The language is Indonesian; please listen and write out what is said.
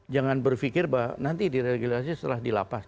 jangan berpikir bahwa nanti diregulasi setelah dilapas